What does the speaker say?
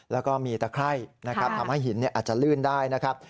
แล้วก็มีตะไคร่นะครับทำให้หินอาจจะลื่นได้นะครับ